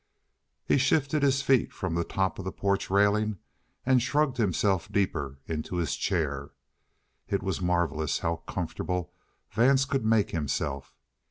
He shifted his feet from the top of the porch railing and shrugged himself deeper into his chair. It was marvelous how comfortable Vance could make himself.